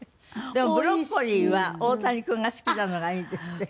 でもブロッコリーは大谷君が好きなのがいいんですって？